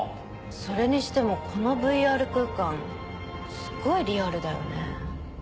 それにしてもこのＶＲ空間すっごいリアルだよね。